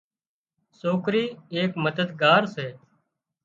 سوڪرِي ايڪ مددگار سي